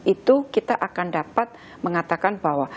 itu kita akan dapat mengatakan bahwa